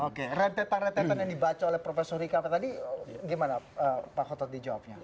oke rentetan rentetan yang dibaca oleh prof rikata tadi gimana pak khotot dijawabnya